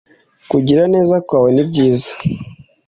kugira neza kwawenibyiza.